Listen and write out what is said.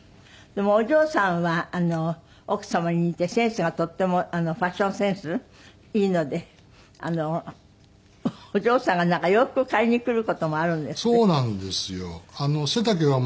でもお嬢さんは奥様に似てセンスがとってもファッションセンスいいのでお嬢さんが洋服借りにくる事もあるんですって？